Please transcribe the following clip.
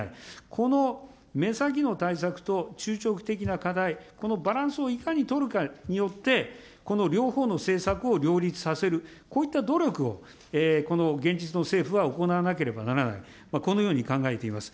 この目先の対策と中長期的な課題、このバランスをいかに取るかによって、この両方の政策を両立させる、こういった努力を、この現実の政府は行わなければならない、このように考えています。